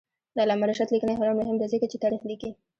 د علامه رشاد لیکنی هنر مهم دی ځکه چې تاریخ لیکي.